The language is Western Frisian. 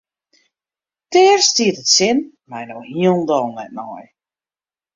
Dêr stiet it sin my no hielendal net nei.